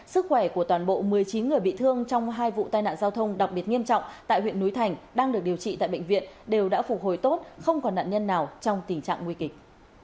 sức khỏe của toàn bộ một mươi chín người bị thương trong hai vụ tai nạn giao thông đặc biệt nghiêm trọng tại huyện núi thành đang được điều trị tại bệnh viện đều đã phục hồi tốt không còn nạn nhân nào trong tình trạng nguy kịch